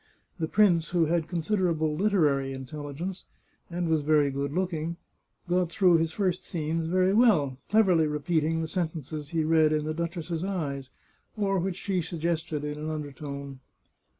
The prince, who had considerable literary intelligence, and was very good looking, got through his first scenes very well, cleverly repeating the sentences he read in the duchess's eyes, or which she suggested in an undertone.